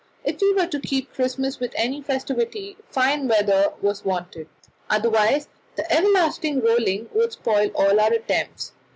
If we were to keep Christmas with any festivity, fine weather was wanted, otherwise the everlasting rolling would spoil all our attempts.